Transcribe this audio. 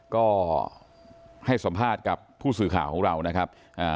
ก็ให้สัมภาษณ์กับผู้สื่อข่าวของเรานะครับ